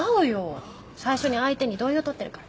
最初に相手に同意を取ってるから。